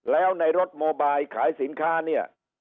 แล้วในรถโมบายขายสินค้าเนี่ย